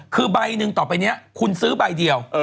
คือใบหนึ่งต่อไปนี้คุณซื้อใบเดียว